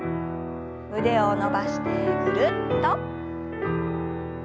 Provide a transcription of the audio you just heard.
腕を伸ばしてぐるっと。